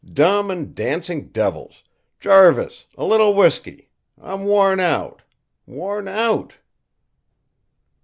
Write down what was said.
Dumb and dancing devils! Jarvis, a little whiskey! I'm worn out, worn out!"